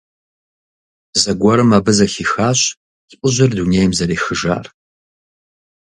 Зэгуэрым абы зэхихащ лӀыжьыр дунейм зэрехыжар.